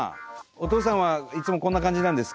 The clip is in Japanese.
お父さんはいつもこんな感じなんですか？